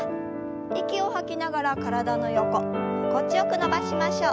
息を吐きながら体の横心地よく伸ばしましょう。